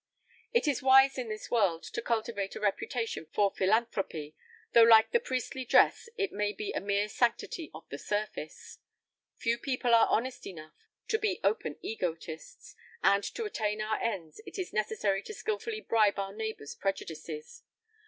It is wise in this world to cultivate a reputation for philanthropy, though like the priestly dress it may be a mere sanctity of the surface. Few people are honest enough to be open egotists, and to attain our ends it is necessary to skilfully bribe our neighbors' prejudices.